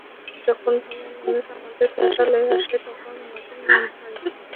যখন ভালো মানুষ আমাদের পতিতালয়ে আসে তখন আমাদের নাম হয়।